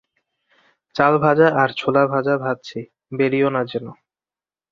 -চাল ভাজা আর ছোলা ভাজা ভাজচি-বেরিয়ো না যেন।